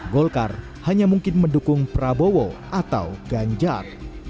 golkar hanya mungkin mendukung prabowo atau ganjar